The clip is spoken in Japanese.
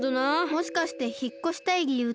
もしかしてひっこしたいりゆうって。